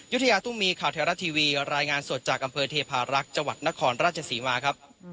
ยุธยาตุ้มีข่าวไทยรัฐทีวีรายงานสดจากอำเภอเทพารักษ์จังหวัดนครราชศรีมาครับ